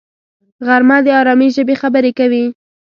غرمه د آرامي ژبې خبرې وي